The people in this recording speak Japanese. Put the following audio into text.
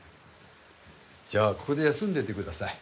じゃあここで休んでてください。